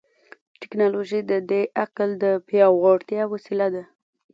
ټیکنالوژي د دې عقل د پیاوړتیا وسیله ده.